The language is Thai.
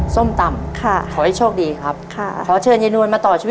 ส้มตำค่ะ